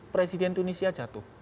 presiden tunisia jatuh